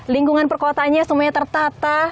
lingkungan perkotanya semuanya tertata